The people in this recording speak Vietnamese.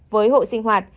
với hộ sinh hoạt